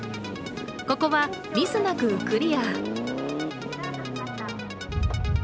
ここはミスなくクリア。